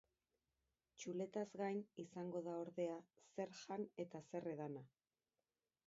Txuletaz gain, izango da ordea, zer jan eta zer edana.